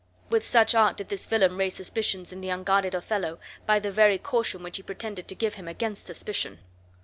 With such art did this villain raise suspicions in the unguarded Othello, by the very caution which he pretended to give him against suspicion.